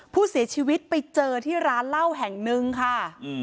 ผู้เสียชีวิตไปเจอที่ร้านเหล้าแห่งหนึ่งค่ะ